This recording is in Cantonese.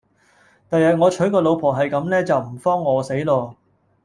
第日我娶個老婆係咁呢就唔慌餓死咯